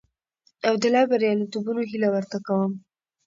او د لا برياليتوبونو هيله ورته کوم.